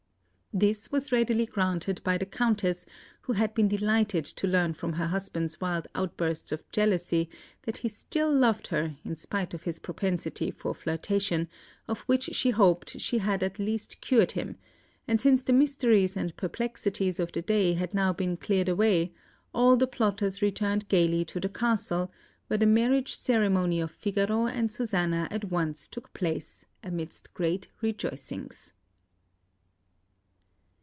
This was readily granted by the Countess, who had been delighted to learn from her husband's wild outburst of jealousy that he still loved her in spite of his propensity for flirtation, of which she hoped she had at last cured him; and since the mysteries and perplexities of the day had now been cleared away, all the plotters returned gaily to the castle, where the marriage ceremony of Figaro and Susanna at once took place amidst great rejoicings.